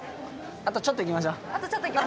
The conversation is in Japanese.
あとちょっと行きましょう。